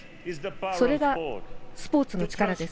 それがスポーツの力です。